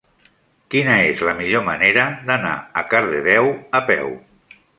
Quina és la millor manera d'anar a Cardedeu a peu?